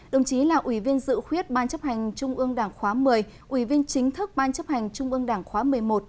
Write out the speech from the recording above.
đồng chí là ủy viên dự khuyết ban chấp hành trung ương đảng khóa một mươi ủy viên chính thức ban chấp hành trung ương đảng khóa một mươi một